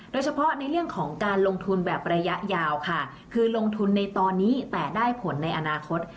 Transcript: โดยเฉพาะในเรื่องของการลงทุนแบบระยะยาวค่ะคือลงทุนในตอนนี้แต่ได้ผลในอนาคต